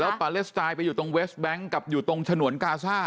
ปาเลสไตล์ไปอยู่ตรงเวสแบงค์กับอยู่ตรงฉนวนกาซ่า